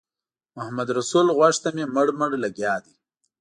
محمدرسول غوږ ته مې مړ مړ لګیا دی.